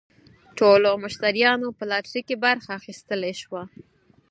ټولو مشتریانو په لاټرۍ کې برخه اخیستلی شوه.